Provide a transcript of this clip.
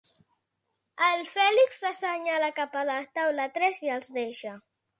El Fèlix assenyala cap a la taula tres i els deixa.